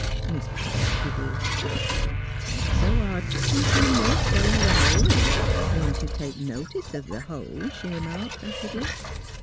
Miss Pratt giggled. '' 'Tain't so hard t' see through a mill stone with a hole in it, once you take notice of the hole," she remarked, acidly.